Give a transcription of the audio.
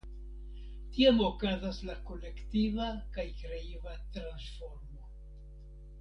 Tiam okazas la kolektiva kaj kreiva transformo.